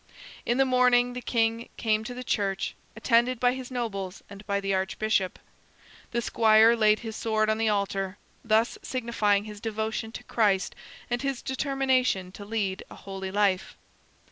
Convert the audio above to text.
In the morning the king came to the church, attended by his nobles and by the archbishop. The squire laid his sword on the altar, thus signifying his devotion to Christ and his determination to lead a holy life.